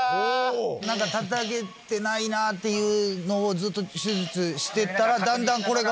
たたけてないなっていう脳をずっと手術してったら。